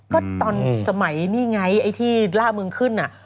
ก็ตอนสมัยนี่ไงไอ้ที่ล่ามึงขึ้น